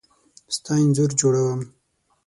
ستا انځور جوړوم .